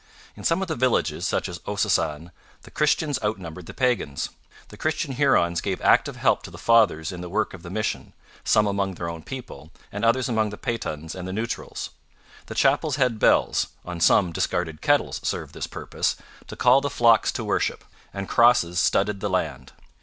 In some of the villages, such as Ossossane, the Christians outnumbered the pagans. The Christian Hurons gave active help to the fathers in the work of the mission, some among their own people, and others among the Petuns and the Neutrals. The chapels had bells on some discarded kettles served this purpose to call the flocks to worship; and crosses studded the land.